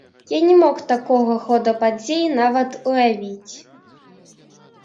Я не мог такога хода падзей нават уявіць.